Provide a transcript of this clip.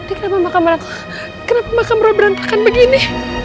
ini kenapa makam roy berantakan begini